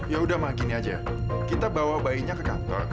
ya udah mah gini aja kita bawa bayinya ke kantor